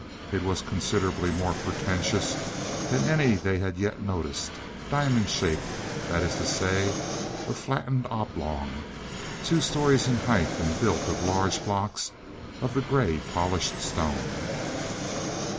It was considerably more pretentious than any they had yet noticed, diamond shaped that is to say, a flattened oblong two stories in height and built of large blocks of the gray polished stone.